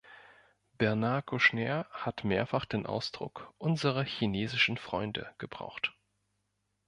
Bernard Kouchner hat mehrfach den Ausdruck "unsere chinesischen Freunde" gebraucht.